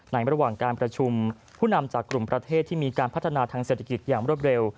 ระหว่างการประชุมผู้นำจากกลุ่มประเทศที่มีการพัฒนาทางเศรษฐกิจอย่างรวดเร็ว